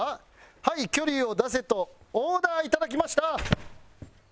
はい距離を出せとオーダーいただきました。